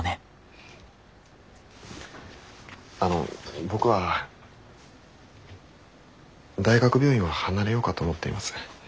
あの僕は大学病院は離れようかと思っています。